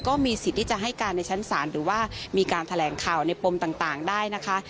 ก็มีสิทธิ์ที่จะให้การในชั้นศาลหรือว่ามีการแถลงข่าวในปมต่างได้นะคะ